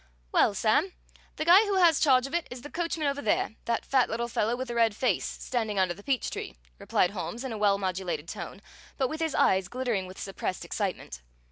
"Well, Sam, the guy who has charge of it is the coachman over there, that fat little fellow with the red face standing under the peach tree," replied Holmes in a well modulated tone, but with his eyes glittering with suppressed excitement.